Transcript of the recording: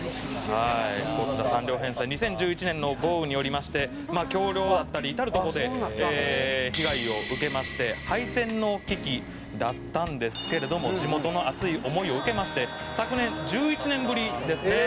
「こちら３両編成」「２０１１年の豪雨によりまして橋梁やったり至るとこで被害を受けまして廃線の危機だったんですけれども地元の熱い思いを受けまして昨年１１年ぶりですね